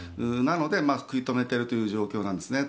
なので食い止めているという状況なんです。